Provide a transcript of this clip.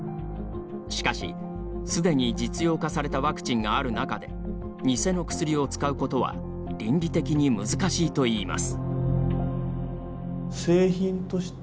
しかし、すでに実用化されたワクチンがある中で偽の薬を使うことは倫理的に難しいといいます。